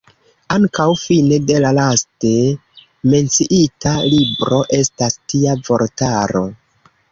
Ankaŭ fine de la laste menciita libro estas tia vortaro.